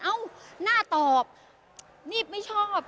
หน้าตอบนี่ไม่ชอบ